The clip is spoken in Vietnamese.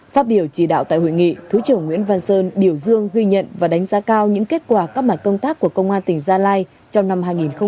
phát biểu chỉ đạo tại hội nghị thứ trưởng nguyễn văn sơn biểu dương ghi nhận và đánh giá cao những kết quả các mặt công tác của công an tỉnh gia lai trong năm hai nghìn hai mươi ba